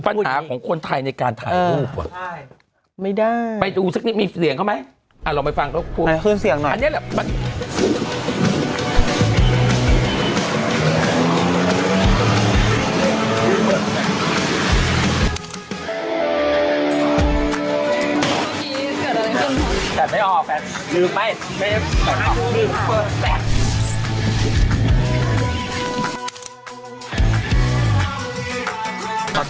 เพราะว่าจริงจริงแล้วอ่ะพี่พี่ขอคะนี่คือแบบ